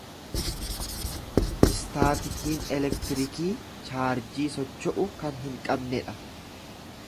Istaatikiin elektiriikii chaarjii socho’u kan hin qabne dha.